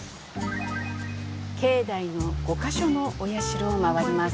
境内の５か所のお社を回ります。